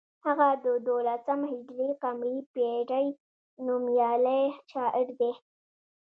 هغه د دولسم هجري قمري پیړۍ نومیالی شاعر دی.